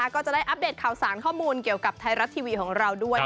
ก็จะได้อัปเดตข่าวสารข้อมูลเกี่ยวกับไทยรัฐทีวีของเราด้วย